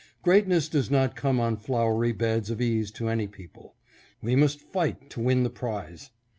Greatness does not come on flowery beds of ease to any people. We must fight to win the prize.